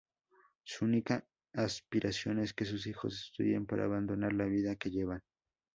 Su única aspiración es que sus hijos estudien para abandonar la vida que llevan.